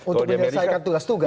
untuk menyelesaikan tugas tugas